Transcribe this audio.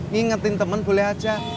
ngingetin temen boleh aja